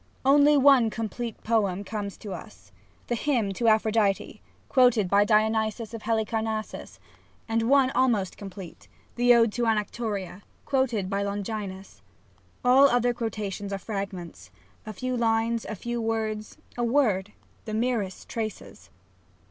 Only one complete poem comes to us, the Hymn to Aphrodite quoted by Dionysius of Halicarnassus, and one almost complete, the Ode to Anactoria, quoted by Longinus ; all other quotations are fragments : a few lines, a few words, a word, the merest traces.